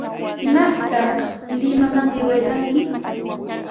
¿Imaqta Limaman aywaykanki?